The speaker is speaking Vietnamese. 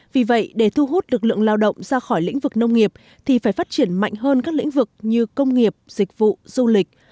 vì vậy để thu hút được lượng lao động ra khỏi lĩnh vực nông nghiệp thì phải phát triển mạnh hơn các lĩnh vực như công nghiệp dịch vụ du lịch